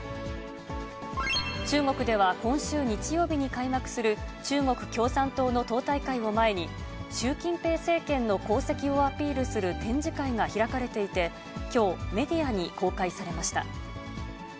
中国では今週日曜日に開幕する、中国共産党の党大会を前に、習近平政権の功績をアピールする展示会が開かれていて、きょう、メディアに公開されました。